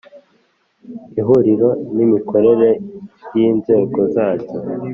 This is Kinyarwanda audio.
Ihuriro n imikorere y Inzego zaryo